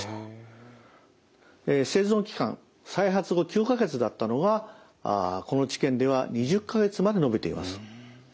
生存期間再発後９か月だったのがこの治験では２０か月まで延びています。